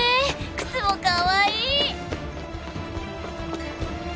「靴もかわい」